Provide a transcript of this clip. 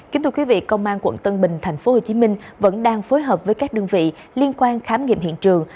kính thưa quý vị công an quận tân bình tp hcm vẫn đang phối hợp với các đơn vị liên quan khám nghiệm hiện trường